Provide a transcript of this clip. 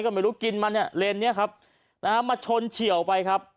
ก็ไม่รู้กินมาเนี่ยเลนเนี้ยครับนะฮะมาชนเฉียวไปครับ